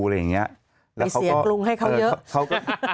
ไปเสียกรุงให้เขาเยอะ